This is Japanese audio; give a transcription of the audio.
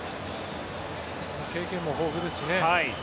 経験も豊富ですしね